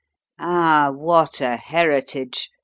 "Ah, what a heritage!